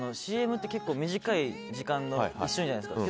ＣＭって結構短い時間じゃないですか。